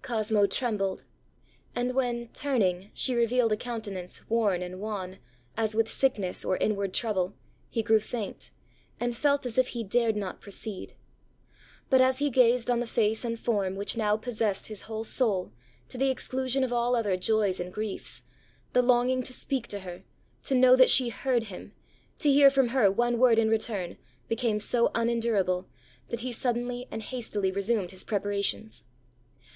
Cosmo trembled; and when, turning, she revealed a countenance worn and wan, as with sickness or inward trouble, he grew faint, and felt as if he dared not proceed. But as he gazed on the face and form, which now possessed his whole soul, to the exclusion of all other joys and griefs, the longing to speak to her, to know that she heard him, to hear from her one word in return, became so unendurable, that he suddenly and hastily resumed his preparations.